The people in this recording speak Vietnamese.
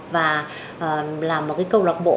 và là một câu lạc bộ